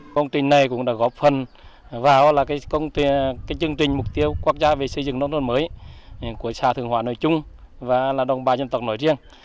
công trình này cũng đã góp phần vào là chương trình mục tiêu quốc gia về xây dựng nông thôn mới của xã thượng hóa nội chung và là đồng bào dân tộc nội riêng